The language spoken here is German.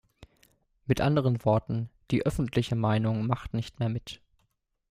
Mit anderen Worten, die öffentliche Meinung macht nicht mehr mit.